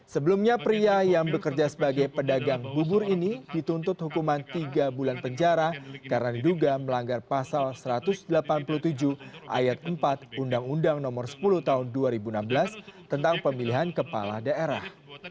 sebelumnya pria yang bekerja sebagai pedagang bubur ini dituntut hukuman tiga bulan penjara karena diduga melanggar pasal satu ratus delapan puluh tujuh ayat empat undang undang nomor sepuluh tahun dua ribu enam belas tentang pemilihan kepala daerah